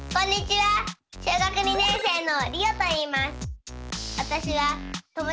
小学２年生のりおといいます。